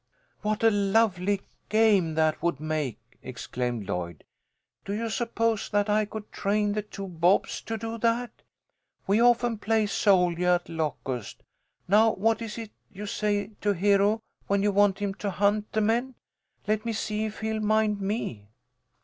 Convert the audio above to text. "What a lovely game that would make!" exclaimed Lloyd. "Do you suppose that I could train the two Bobs to do that? We often play soldiah at Locust. Now, what is it you say to Hero when you want him to hunt the men? Let me see if he'll mind me."